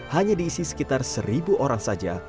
hanya diisi sekitar seribu orang saja